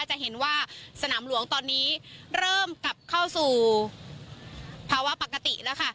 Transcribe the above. จะเห็นว่าสนามหลวงตอนนี้เริ่มกลับเข้าสู่ภาวะปกติแล้วค่ะ